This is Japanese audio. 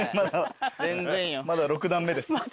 まだ６段目です。